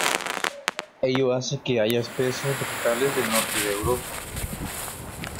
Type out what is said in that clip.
Ello hace que haya especies vegetales del Norte de Europa.